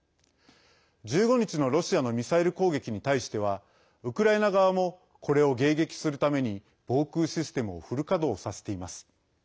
１５日のロシアのミサイル攻撃に対してはウクライナ側もこれを迎撃するために防空システムをフル稼働させています。